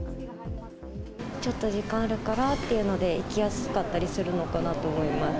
ちょっと時間あるからっていうので、行きやすかったりするのかなと思います。